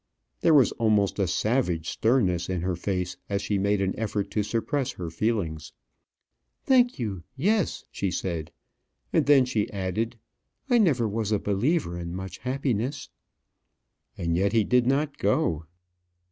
There was almost a savage sternness in her face as she made an effort to suppress her feelings. "Thank you yes," she said; and then she added, "I never was a believer in much happiness." And yet he did not go.